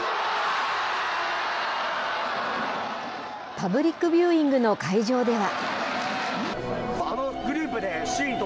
パブリックビューイングの会場では。